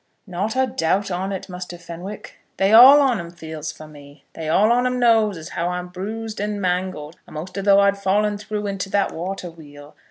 "Not a doubt on it, Muster Fenwick. They all on 'em feels for me. They all on 'em knows as how I'm bruised and mangled a'most as though I'd fallen through into that water wheel.